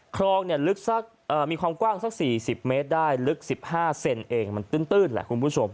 คลองมีความกว้างสัก๔๐เมตรได้ลึก๑๕เซนต์เองมันตื้นคุณผู้ชม